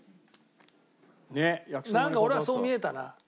なんか俺はそう見えたな。